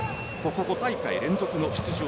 ここ５大会連続の出場